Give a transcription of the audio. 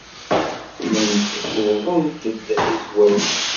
Llant uwḍent-d i zzwaj.